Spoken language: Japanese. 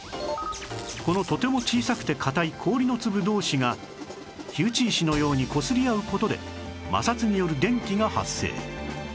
このとても小さくて硬い氷の粒同士が火打ち石のようにこすり合う事で摩擦による電気が発生